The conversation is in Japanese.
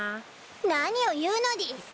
何を言うのでぃす！